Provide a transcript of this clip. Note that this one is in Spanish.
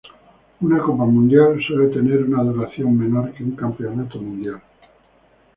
Una Copa Mundial suele tener una duración menor que un Campeonato Mundial.